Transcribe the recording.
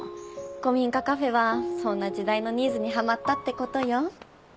古民家カフェはそんな時代のニーズにハマったって事よ。